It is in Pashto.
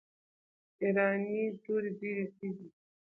ایرانۍ توري ډیري تیزي دي.